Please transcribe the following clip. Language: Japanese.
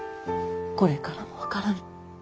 これからも分からぬ。